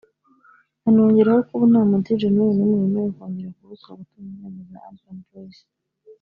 anongeraho ko ubu nta mu Dj n’uyu numwe wemerewe kongera kubuzwa gutunga indirimbo za Urban Boys